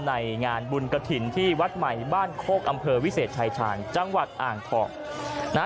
ในงานบุญกระถิ่นที่วัดใหม่บ้านโคกอำเภอวิเศษชายชาญจังหวัดอ่างทองนะฮะ